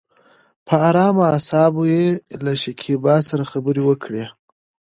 په ارامه اصابو يې له شکيبا سره خبرې وکړې.